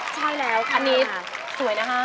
ใช่แล้วคันนี้สวยนะคะ